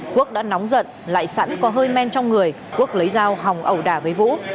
quốc đã nóng giận lại sẵn có hơi men trong người quốc lấy dao hòng ẩu đả với vũ